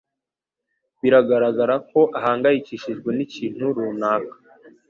Biragaragara ko ahangayikishijwe n'ikintu runaka.